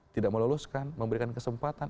tidak meloloskan memberikan kesempatan